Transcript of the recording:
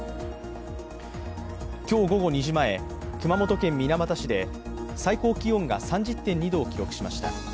今日午後２時前熊本県水俣市で最高気温が３０．２度を記録しました。